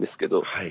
はい。